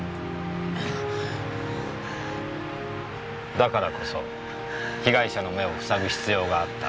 だからこそ被害者の目をふさぐ必要があった。